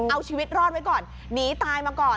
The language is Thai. เอาชีวิตรอดไว้ก่อนหนีตายมาก่อน